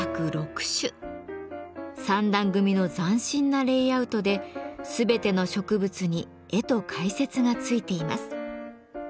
３段組みの斬新なレイアウトで全ての植物に絵と解説が付いています。